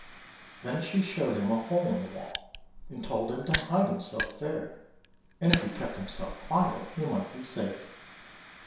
Then she showed him a hole in the wall, and told him to hide himself there; and if he kept himself quite quiet, he might be safe.